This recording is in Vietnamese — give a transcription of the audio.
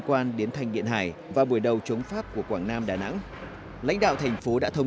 quan đến thành điện hải và buổi đầu chống pháp của quảng nam đà nẵng lãnh đạo thành phố đã thống